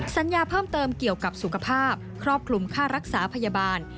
สัญญาเพิ่มเติมเกี่ยวกับสุขภาพครอบคลุมค่ารักษาพยาบาล